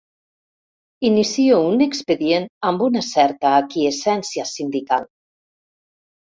Inicio un expedient amb una certa aquiescència sindical.